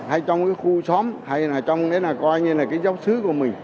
hay trong khu xóm hay trong giáo sứ của mình